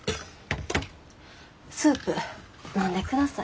スープ飲んでください。